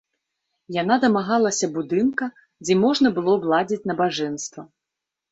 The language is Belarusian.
Яна дамагалася будынка, дзе можна было б ладзіць набажэнства.